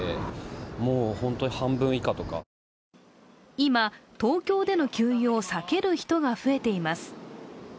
今、東京での給油を避ける人が増えています。